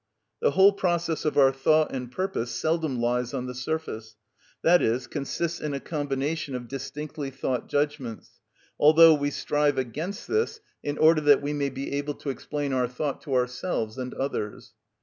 The whole process of our thought and purpose seldom lies on the surface, that is, consists in a combination of distinctly thought judgments; although we strive against this in order that we may be able to explain our thought to ourselves and others.